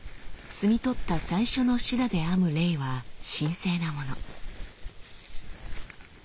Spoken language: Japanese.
摘み取った最初のシダで編むレイは神聖なもの。